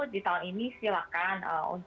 di tahun ini silakan